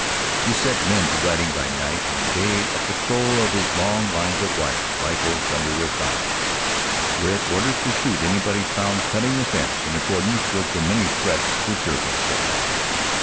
He set men to riding by night and day a patrol of his long lines of wire, rifles under their thighs, with orders to shoot anybody found cutting the fences in accordance with the many threats to serve them so.